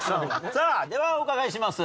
さあではお伺いします。